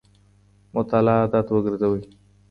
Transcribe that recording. مطالعه عادت وګرځوئ.